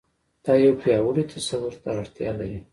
دا يو پياوړي تصور ته اړتيا لري.